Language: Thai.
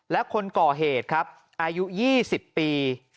และคนก่อเหตุครับอายุ๒๐ปี